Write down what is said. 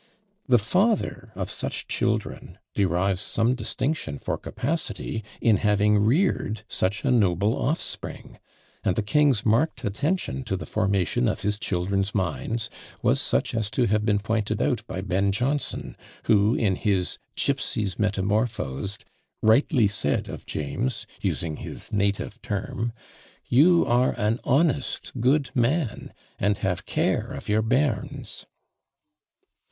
The father of such children derives some distinction for capacity, in having reared such a noble offspring; and the king's marked attention to the formation of his children's minds was such as to have been pointed out by Ben Jonson, who, in his "Gipsies Metamorphosed," rightly said of James, using his native term You are an honest, good man, and have care of YOUR BEARNS (bairns).